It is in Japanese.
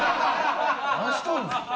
何しとんねん！